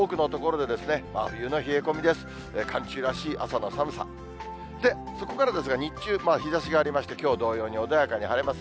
で、そこからですが、日中、日ざしがありまして、きょう同様に穏やかに晴れます。